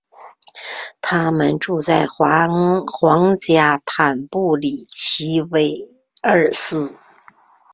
他们住在皇家坦布里奇韦尔斯。